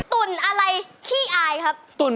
ตุ่นอะไรขี้อายครับ